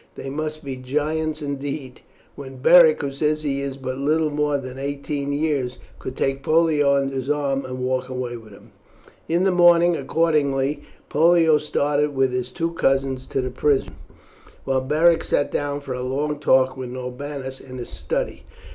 They must be giants indeed, when Beric, who says he is but little more than eighteen years, could take Pollio under his arm and walk away with him." In the morning, accordingly, Pollio started with his two cousins to the prison, while Beric sat down for a long talk with Norbanus in his study.